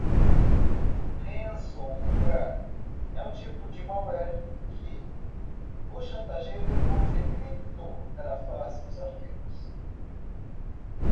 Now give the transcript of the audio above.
Ransomware é o tipo de malware que o chantageia depois de criptografar seus arquivos.